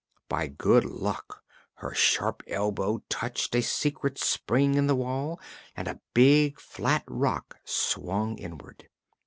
By good luck her sharp elbow touched a secret spring in the wall and a big flat rock swung inward.